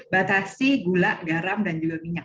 batasi gula garam dan juga minyak